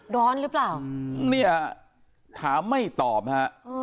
ร้อนหรือเปล่าเนี่ยถามไม่ตอบฮะ